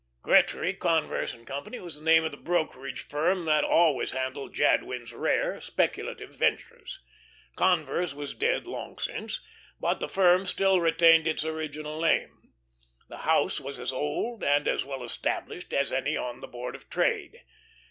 Gretry, Converse & Co. was the name of the brokerage firm that always handled Jadwin's rare speculative ventures. Converse was dead long since, but the firm still retained its original name. The house was as old and as well established as any on the Board of Trade.